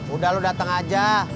udah lu dateng aja